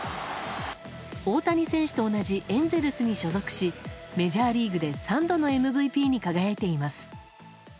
大谷選手と同じエンゼルスに所属しメジャーリーグで３度のＭＶＰに輝いています。